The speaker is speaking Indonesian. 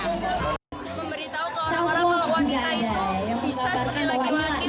memberitahu ke orang orang kalau wanita itu bisa seperti laki laki